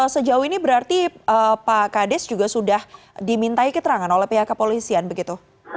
sejauh ini berarti pak kades juga sudah dimintai keterangan oleh pihak kepolisian begitu